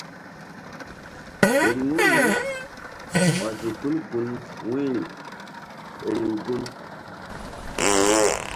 Riŋu ri ɔzi tul gun wu̧yri riŋ gun.